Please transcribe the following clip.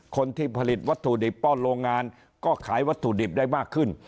คนที่ผลิตวัตถุดิบป้อนโรงงานก็ขายวัตถุดิบได้มากขึ้น